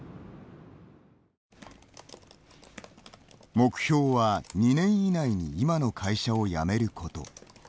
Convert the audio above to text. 目標は、２年以内に今の会社を辞めること。